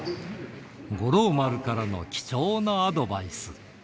五郎丸からの貴重なアドバイ